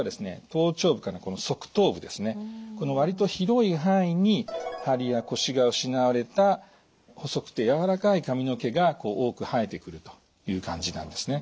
頭頂部からこの側頭部ですねこの割と広い範囲にハリやコシが失われた細くてやわらかい髪の毛が多く生えてくるという感じなんですね。